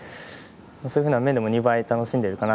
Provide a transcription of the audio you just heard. そういうふうな面でも２倍楽しんでいるかな。